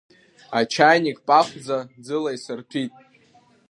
Ачаиник пахәӡа ӡыла исырҭәит.